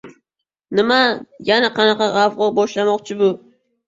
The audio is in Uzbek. Nima? Yana qanaqa g‘avg‘o boshlamoqchi bu?